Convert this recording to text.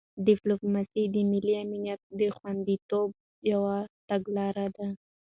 ډیپلوماسي د ملي امنیت د خوندیتوب یو تګلاره ده.